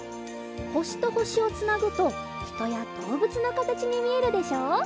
ほしとほしをつなぐとひとやどうぶつのかたちにみえるでしょ？